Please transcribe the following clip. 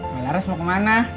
melares mau kemana